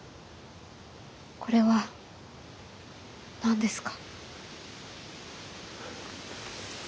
これは何ですか？